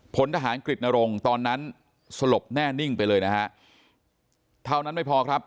พลทหารกฤตนรงค์ตอนนั้นสลบแน่นิ่งไปเลยนะฮะเท่านั้นไม่พอครับ